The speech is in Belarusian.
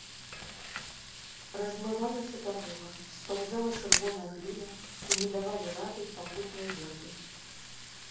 Размывалася дарога, спаўзала чырвоная гліна, і не давалі рады пакутныя вербы.